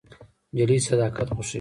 نجلۍ صداقت خوښوي.